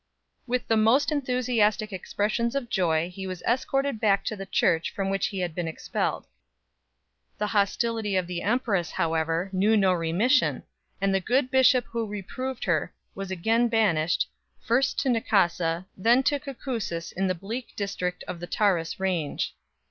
With the most enthusiastic expressions of joy he was escorted back to the church from which he had been expelled. The hostility of the empress however knew no remission, and the good bishop who reproved her was again banished, first to Nicasa, then to Cucusus in the bleak district of the Taurus range.